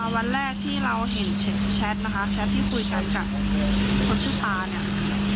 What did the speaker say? วันแรกที่เราเห็นแชทนะคะแชทที่คุยกันกับคนชื่อปลาเนี่ย